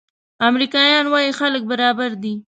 امریکایان وايي خلک برابر دي.